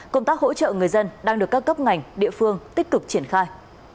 công tác hỗ trợ người dân đang được các cấp ngành địa phương tích cực triển khai